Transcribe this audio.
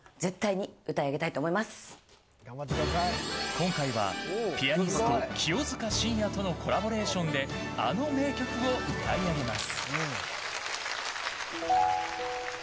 今回はピアニスト清塚信也とのコラボレーションであの名曲を歌い上げます。